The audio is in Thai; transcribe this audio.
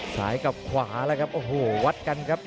ซ้ายกับขวาแล้วครับโอ้โหวัดกันครับ